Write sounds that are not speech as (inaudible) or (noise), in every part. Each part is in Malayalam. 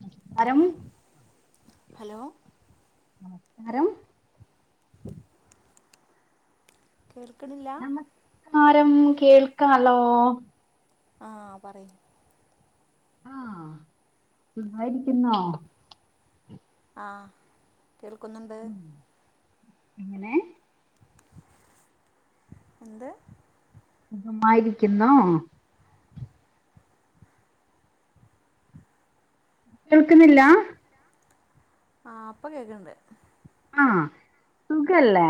നസ്കാരം ഹലോ കാരം കേൾക്കണില്ല രം കേൾക്കല്ലോ ആ പറയും ആ സുഖാരിക്കുന്നോ ആ കേൾക്കുന്നുണ്ട് എങ്ങനേ എന്ത് സുഖമായിരിക്കുന്നോ കേൾക്കുന്നില്ല ആ പ്പ കേക്ക്ണ്ട് ആ സുഖല്ലേ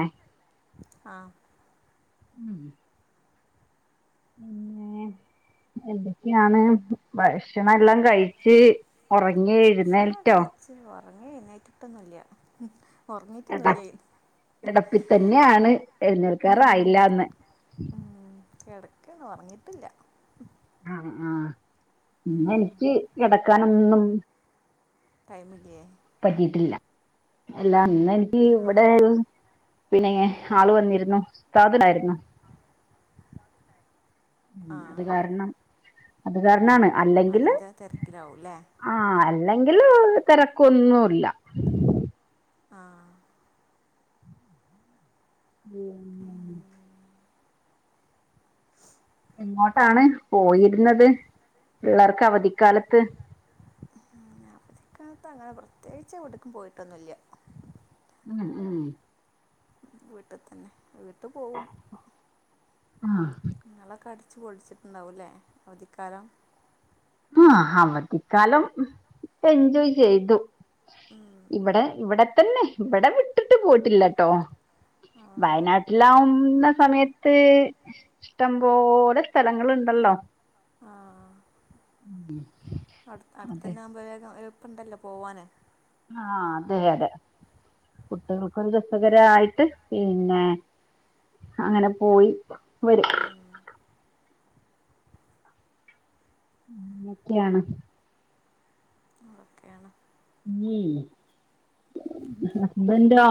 ആ ഉം പിന്നേ എന്തൊക്കെയാണ് ഭക്ഷണം എല്ലാം കഴിച്ച് ഉറക്ക ങ്ങി ഭക്ഷണം എഴുന്നേൽറ്റോ കഴിച്ച് ഉറങ്ങി എഴുന്നേറ്റ് ട്ടൊന്നുല്ല്യാ ഉറങ്ങീട്ടൊന്നില്ല്യയ് കിടപ്പിത്തന്നെയാണ് എഴുന്നേൽക്കാറായില്ലാന്ന് കെടക്കാണ് ഓർങ്ങിട്ടില്ല ആ ആ പിന്നെ എനിക്ക് കിടക്കാനൊന്നും ടൈമില്ലേ പറ്റീട്ടില്ല അല്ല ഇന്ന് എനിക്ക് ആ ഇവിടെ പിന്നെങ്ങെ ആള് വന്നിരുന്നോ ഉസ്‌താദ്ണ്ടായിരുന്നോ ആ ഉം അത് കാരണം അത് കാരണാണ് അല്ലെങ്കില് ആ എങ്കില് തിരക്കൊന്നുല്ല ആ ഉം എങ്ങോട്ടാണ് പോയിരുന്നത് പിള്ളേർക്ക് അവധിക്കാലത്ത് അവധിക്കാലത്ത് അങ്ങനെ പ്രത്യേകിച്ചൊടുക്കും പോയിട്ടൊന്നുല്ല്യ ഉം ഉം വീട്ടിൽ തന്നെ വീട്ടു പോവും ആ നിങ്ങളൊക്കെ അടിച്ചു പൊടിച്ചിട്ടുണ്ടാവുംല്ലേ അവധിക്കാലം ആ അവധിക്കാലം എൻജോയ് ചെയ്തു ഉം, ഇവിടെ ഇവിടെ തന്നെ ഇവിടെ വിട്ടിട്ട് പോയിട്ടില്ലട്ടോ ആ വയനാട്ടിലാവും ഇന്ന സമയത്ത് ഇഷ്ടംപോലെ സ്ഥലങ്ങളുണ്ടല്ലോ ആ അടു അതെ അടുത്തന്നെ ആവുമ്പോ (unintelligible) ഒരു പ്പണ്ടല്ലോ പോവാന് ആ അതെ അതെ കുട്ടികൾക്കൊരു രസകരായിട്ട് പിന്നേ അങ്ങനെ പോയി വരും ഉം ഉം മൊക്കെയാണ് അതൊക്കെയാണ് ഉം ഹസ്ബൻ്റൊ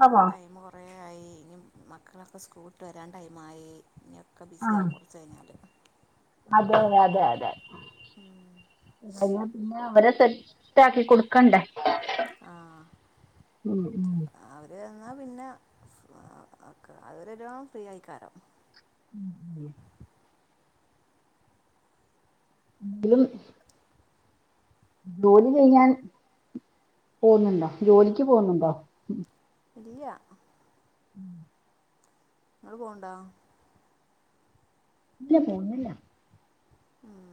ആ ടൈം കുറേ ആയി ഇനി മക്കളൊക്കെ സ്കൂളട്ട് വരാൻ ടൈമായി ഇനെയൊക്കെ ആ ബിസിിയ ആകും കുറച്ച് കഴിഞ്ഞാൽ അതെ അതെ അതെ ഉം കഴ പിന്നെ അവരെ തെറ്റാക്കി കൊടുക്കണ്ടേ ആഹ് ഉം ഉം അവര് അത്രെല്ല ഫ്രീ ആയിക്കാരോ ഉ അതും ജോലി ചെയ്യാൻ പോുന്നുണ്ടോ ജോലിക്ക് പോുന്നുണ്ടോ ഇിയ ഉം നിങ്ങൾ പോണ്ടാ ഇല്ല പോുന്നില്ല ഉം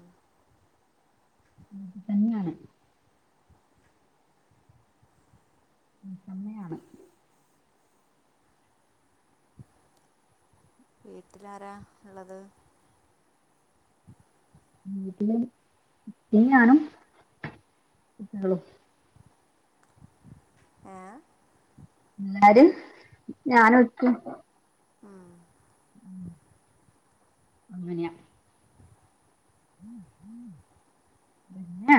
അത് തന്നെയാണ് ഉ അമ്മയാണ് എട്ടാര ഉള്ളത് വീട്ടില പിന്ന ആനും കുട്ടികികളും ആഏ എല്ലാരും ഞനോക്കു ഉം ഉ അങ്ങനയാ പിന്നെ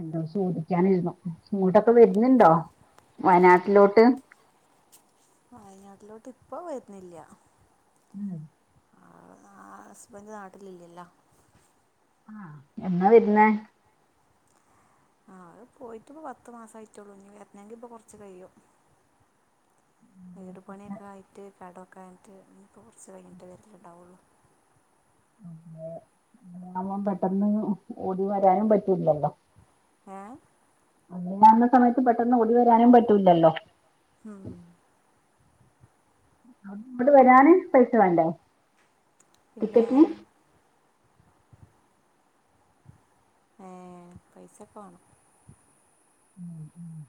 എന്തോ ചോദിക്കാനിരുന്നു ഇങ്ങോട്ടൊക്കെ വരുന്നുണ്ടോ വയനാട്ടിലോട്ട് വയനാട്ടിലോട്ട് ഇപ്പോ വരുന്നില്ല ഉം ആ ഹസ്ബൻഡ് നാട്ടിലല്ലല്ലോ ആഹ എന്നാ വരുന്ന ആ അത് പോയിട്ട് ഇപ്പോ പത്ത് മാസം ആയിട്ടുള്ളൂ ഇ എനെങ്കി ഇപ്പ കുറച്ച് കഴിയും വീട് പണിയൊക്കെ ആയിട്ട് കട കഴിഞ്ഞിട്ട്പ്പോൾ കുറച്ച് കഴിഞ്ഞിട്ട് വരിലുണ്ടാവുള്ളൂ അെ അങ്ങന്പം പെട്ടെന്ന് ഓടി വരാനും പറ്റില്ലല്ലോ ആഏ അങ്ങനാവുന്ന സമയത്ത് പെട്ടെന്ന് ഓടി വരാനും പറ്റൂല്ലല്ലോ ഉം അട്ന്ന്ങ്ങട്ട് വരാന് പൈസ വേണ്ടേ പിന്നെ ടിക്കറ്റിന് ഏ പൈസൊക്കെ വേണം ഉം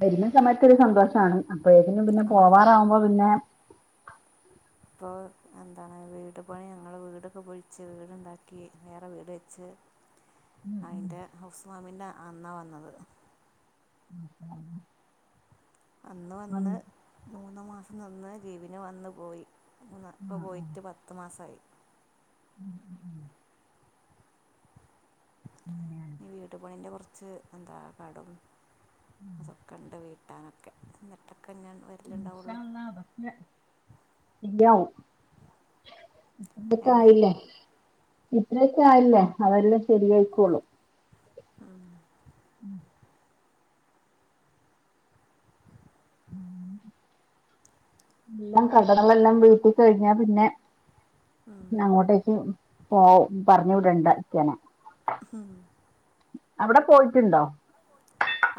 വരുന്ന സമയത്ത് ഒരു സന്തോഷിണ് അപ്പോഴേക്കും പിന്നെ ആ പോവാറാവുമ്പോ പിന്നെ ഇപ്പോൾ എന്താണ് വീട് പണി ഞങ്ങൾ വീടൊക്കെ പൊള്ച്ച് വീടുണ്ടാക്കി വേറെ വീട് വെച്ച് ഉം അയിന്റെ ഹൗസ് വാമിന്റെ അന്നാ വന്നത് ആ അന്ന് വന്ന് മൂന്നു മാസം നിന്ന് ലീവിന് വന്ന് പോയി ഇപ്പ ആഹ് ആഹ് പോയിട്ട് പത്ത് മാസായി അങ്ങനെയാണ് ഇനി വീട് പണിന്റെ കൊറച്ച് എന്താ കടും അതൊക്കെണ്ട് വീട്ടാനൊക്കെ ന്ന്ട്ടൊക്കെ ഞ വ ഇഷാഅള്ളാ ബക്കെ ശരിയാവും ഏ ഇത്രൊക്കെ ആയില്ലേ ഇത്രയൊക്കെ ആയില്ലേ അതെല്ലാം ശരിയായിക്കോളും ഉം. ഉം ഉം എല്ലാം കട ങ്ങളെല്ലാം വീട്ടി കഴിഞ്ഞാ പിന്നെ ഉം. അങ്ങോട്ടേക്ക് പോ പറഞ്ഞ് വിടണ്ടാ യ്കണം ഉം അവിടെ പോയിട്ടുണ്ടോ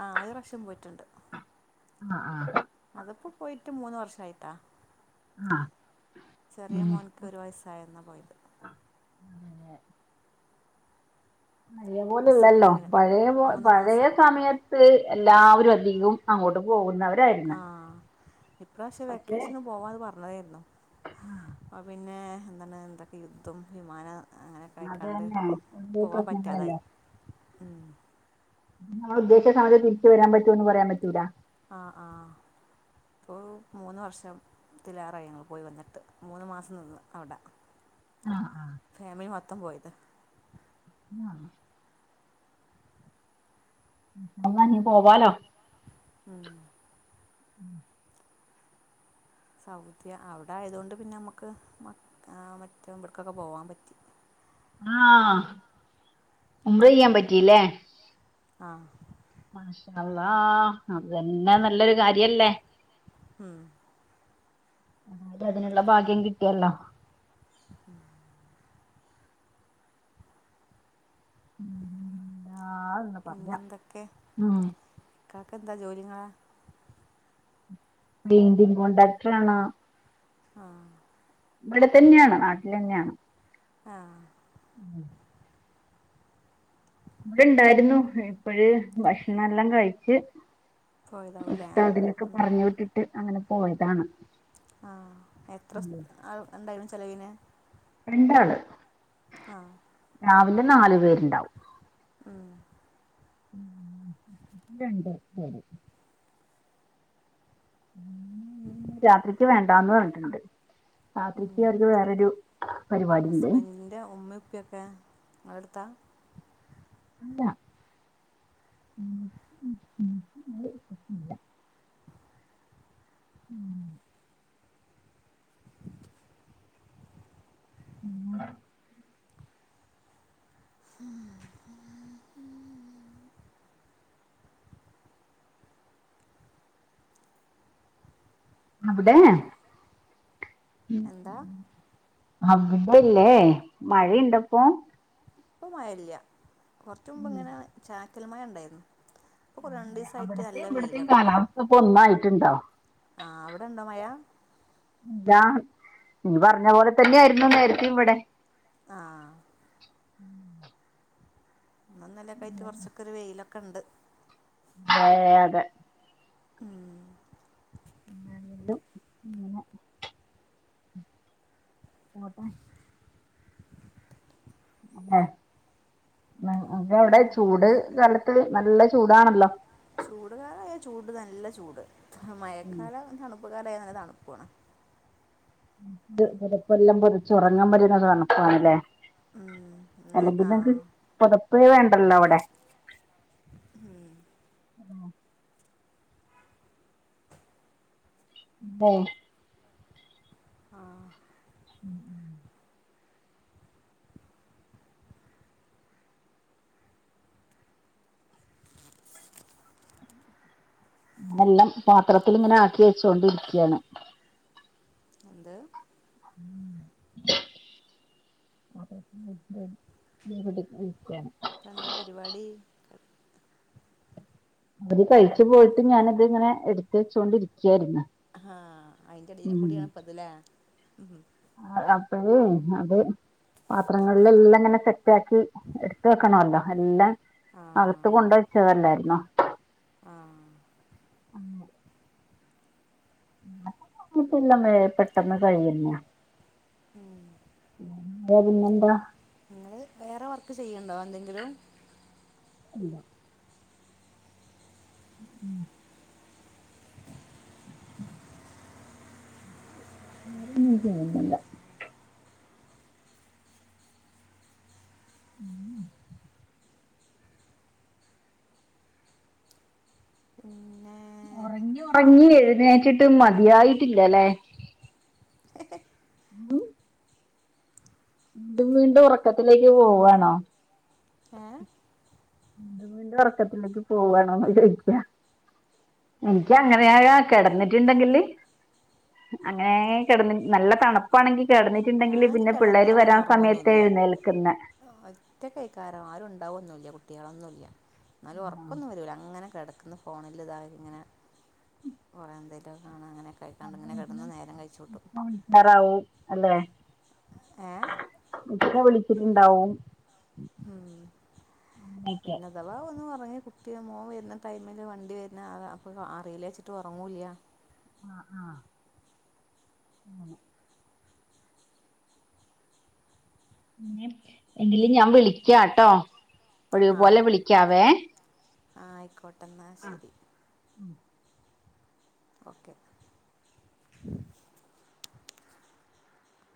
ആ ഒരു പ്രാശ്യം പോയിട്ടുണ്ട് ആഹ് ആഹ് അതപ്പോ പോയിട്ട് മൂന്ന് വർഷയിട്ടാ ആഹ് ചെറിയ ഉം മോൻക്ക് ഒരു വയസ്സായന്ന പോയത് അതെ പഴയ പോലെലല്ലോ വിസിറ്റിങ്ങിന് പഴയ മൂന്ന് പഴയ മാസം സമയത്ത് എല്ലാവരും അധികം അങ്ങോട്ട് പോകുന്നവ ആഹ് ഇപ്രാവശ്യം പക്ഷെ വെക്കേഷന് പോവാന്ന് പറഞ്ഞതേയിരുന്നു അ പിന്നെ എന്താണ് എന്തൊക്കെ യുദ്ധം വിമാന അത് തന്നെയ ഓരോ പറ്റാതായി പ്രശ്നങ്ങളല്ലേ ഉം നമ്മള് ഉദ്ദേശിച്ച സമയത്ത് തിരിച്ചു വരാൻ പറ്റൂന്ന് പറയാൻ പറ്റൂല ആഹ് ആ ഇപ്പോ മൂന്ന് വർഷം തിലേറായി ഞങ്ങള് പോയി വന്നിട്ട് മൂന്ന് മാസം നിന്ന് അവിടെ ആഹ് ആഹ് മ്മിൽ മൊത്തം പോയത് ആഹ് അള്ളാ ഇഞ്ഞും പോവാലോ ഉം ഉം സൗദി അവിടെ ആയത് കൊണ്ട് പിന്നെ നമ്മുക്ക് മ മറ്റമ്പട്ക്കൊക്കെ പോകാൻ പറ്റി ആഹ് ഉംറ ചെയ്യാൻ പറ്റില്ലേ ആഹ് അള്ളാ അത് തന്നെ നല്ലൊരു കാര്യല്ലേ ഉം ആത് അതിനുള്ള ഭാഗ്യം കിട്ടിയല്ലോ ഉം ഉ പിന്നെന്തൊക്കെ ഉം ഇക്കക്കെ എന്താ ജോലിങ്ങളാ പേയിൻ്റിംഗ് കോണ്ടാക്ട്രോണ് ആ ഇവിടെ തന്നെയാണ് നാട്ടിൽ തന്നെയാണ് ആ ഉം ഇവിടെ ഇണ്ടായിരുന്നു ഇപ്പഴ് ഭക്ഷണം എല്ലാം കഴിച്ച് പോയതാവും അല്ലേ ഇപ്പ അതിലൊക്കെ പറഞ്ഞു വിട്ടിട്ട് അങ്ങനെ പോയതാണ് ആ എത്ര സ്‌ഥ ഉം. ആ എന്തായിരുന്നു ചെലവിന് രണ്ടാള് രാവിലെ നാലു പേരുണ്ടാവും ഉം രണ്ട് പേര് രാത്രിക്ക് വേണ്ടന്ന് പറഞ്ഞിട്ടുണ്ട് രാത്രിക്ക് മ് അവർക്ക് വേറൊരു പരിപാടി ഉണ്ട് ഹസ്ബൻറിന്റെ ഉമ്മുപ്പിപ്പൊക്കെ ത്ത അല്ല (unintelligible) ഉം ഉ അവിടെ എന്താ അവിടെല്ലേ മഴയുണ്ടപ്പൊ ഇപ്പ മഴല്ല കുറച്ച മുമ്പ് ഇങ്ങനെ ചാറ്റല് മഴ ഉണ്ടായിരുന്നു ഇപ്പോൾ രണ്ട് അ ദിവസമായിട്ട് അവിടത്തെ നല്ല ഇവിടത്ത വെയിലൊക്കെയാണ് കാലാവസ്ഥ ഇപ്പ ഒന്നായിട്ടുണ്ടോ ആ അവിടെണ്ടോ മയാ താ നീ പറഞ്ഞ പോലെ തന്നെയായിയിരുന്നു നേരത്തെ ഇവിടെ ആ ഉം ഇന്നലൊക്കെ ആയിട്ട് കുറച്ചൊക്കെ ഒരു വെയിലൊക്കെ ഉണ്ട് അതെ അതെ ഉം രണ്ടും അങ്ങനെ പോട്ട അതെ അപ്പ അവിടെ ചൂട് കാലത്ത് നല്ല ചൂടാണല്ലോ ചൂട് കാല അയ ചൂട് നല്ല ചൂട് ഉം. മഴക്കാല റായനല്ല തണുപ്പു വേണം ത് പെതപ്പെല്ലാം പൊതച്ചു ഉറങ്ങാൻ പറ്റണ തണുപ്പാണല്ലേ ഉം, ഇന്ന് അല്ലെങ്കിൽ ആ നക്ക് പുതപ്പേ വേണ്ടല്ലോ അവിടെ ഉഹ മ് ആഹ് ഉം ഉ ഞാനെല്ലാം പാത്രത്തി ഇങ്ങനെ ആക്കി വെച്ചൊണ്ടിരിക്കയാണ് എന്ത് ഉ (unintelligible) ഇപ്പ എന്താ പരിപാടി അത് കഴിച്ചു പോയിട്ട് ഞാനത്ങ്ങനെ എടുത്ത വെച്ചോണ്ടിരിക്കയായിരുന്നു. ആഹ അയിന്റെടയില് കൂടിയണപ്പതിലേ ഉ അപ്പഴേ അത് പാത്രങ്ങളില എല്ലാം ഇങ്ങനെ സെറ്റ ആക്കി എടുത്ത വെക്കണല്ലോ എല്ലാം ആ അകത്ത് കൊണ്ട വച്ചതല്ലായിര് ന്നോ ആഹ ആ ഞ്ഞിട്ടില്ലമ്മ പെട്ടെന്ന് കഴിയുന്ന അത പിന്നെന്താ നിങ്ങൾ വേറെ വർക്ക് ചെയ്യണ്ടോ എന്തെങ്കിലും ഇല്ല ഉ ജോലി ഒന്നും ചെയ്യുന്നില്ല ഉം പിന്നെ ഉറങ്ങി ഉറങ്ങി എഴുന്നേച്ചിട്ട് മതിയായിട്ടില്ലല്ലേ ഉ വീണ്ടും വീണ്ടും ഉറക്കത്തിലേക്ക് പോവാണോ ആഏ വീണ്ടും വീണ്ടും ഉറക്കത്തിലേക്ക് പോവാണന്ന് ചോദിക്ക എനിക്കഅങ്ങനെയ കിടന്നിട്ട ണ്ടെങ്കില് അങ്ങനെ കിടന്ന നല്ല തണുപ്പാണെങ്കിൽ കിടന്നിട്ടുണ്ടെങ്കില് ഞാൻ പിന്നെ പിള്ളേര് വരാൻ സമയത്ത് എഴുന്നേൽക്കന്ന് ഒറ്റ കൈകാരം ആരുണ്ടാവുന്നുല്ല കുട്ടികളൊന്നുല്ല എന്നാലും ഉറക്കൊന്നും വരില്ല അങ്ങനെ ഇപ്പോ കിടക്കുന്ന ഫോണില്ല ഇതായ ഇങ്ങനെ കുറെേ എന്തേങ്കലുമും കാണ അങ്ങനെ വിളിക്കറാവും അല്ലെ ഏ ഇക്ക വിളിച്ചിട്ടുണ്ടാവും ഉം അങ്ങനെയൊക്കെ പിന്നെ അഥവാ ഒന്നു ഒറങ്ങ കുട്ടിയ മോൻ വരുന്ന ടൈമില് വണ്ടി വരുന്ന അപ്പൊ അറിയില്ല വച്ചിട്ട് ഉറങ്ങൂല്ല ആഹ ആഹ അങ്ങനെ എങ്കിലും ഞാൻ വിളിക്കാട്ടോ ഒഴിവ് ആ പോലെ വിളിക്കാവേ ആ ആയിക്കോട്ടെ എന്നാൽ ആ ശരി ഓക്കെ